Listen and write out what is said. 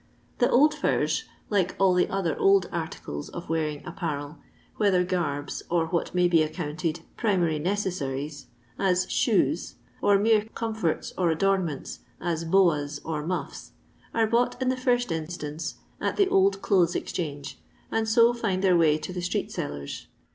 The old furs, like all the other old articles of wearing apparel, whether garbs of what may be accounted primary necessaries, as shoes, or mere comforts or adornments, as boas or muffs, are bought in the first instance at the Old Clothes Exchange, and so find their way to the street sellers.